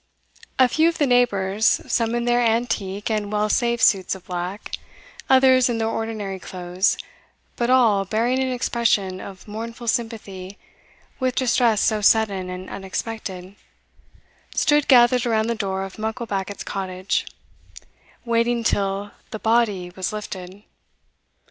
A few of the neighbours, some in their antique and well saved suits of black, others in their ordinary clothes, but all bearing an expression of mournful sympathy with distress so sudden and unexpected, stood gathered around the door of Mucklebackit's cottage, waiting till "the body was lifted."